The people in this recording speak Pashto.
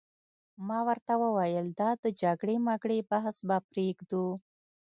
ما ورته وویل: دا د جګړې مګړې بحث به پرېږدو.